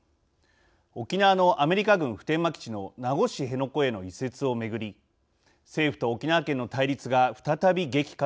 沖縄のアメリカ軍普天間基地の名護市辺野古への移設をめぐり政府と沖縄県の対立が再び激化します。